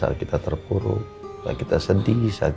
terima kasih banyak banyak